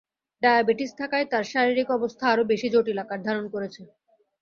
Diabetes থাকায় তাঁর শারীরিক অবস্থা আরও বেশি জটিল আকার ধারণ করেছে।